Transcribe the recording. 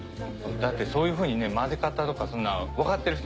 だってそういうふうに混ぜ方とかそんな分かってる人